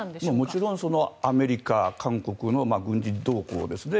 もちろんアメリカ、韓国の軍事動向ですね